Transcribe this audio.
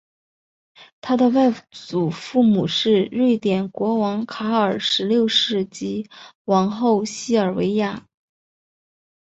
他的外祖父母是瑞典国王卡尔十六世及王后西尔维娅。